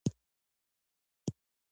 طیاره د انسانانو د ژوند اسانتیا ده.